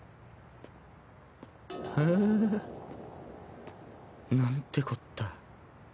はぁなんてこった。